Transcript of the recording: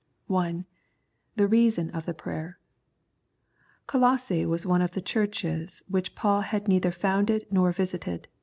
I. The Reason of the Prayer. Colosse was one of the Churches which Paul had neither founded nor visited (ch.